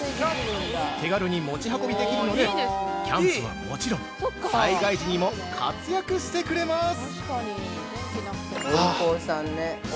手軽に持ち運びできるのでキャンプはもちろん、災害時にも活躍してくれます！